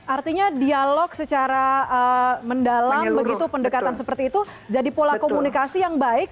artinya dialog secara mendalam begitu pendekatan seperti itu jadi pola komunikasi yang baik